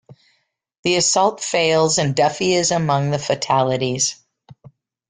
The assault fails and Duffy is among the fatalities.